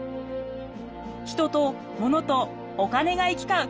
人とものとお金が行き交う